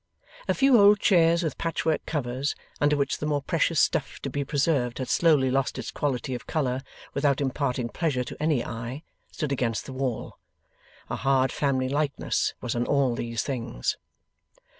A few old chairs with patch work covers, under which the more precious stuff to be preserved had slowly lost its quality of colour without imparting pleasure to any eye, stood against the wall. A hard family likeness was on all these things.